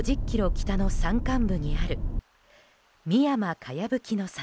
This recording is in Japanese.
北の山間部にある美山かやぶきの里。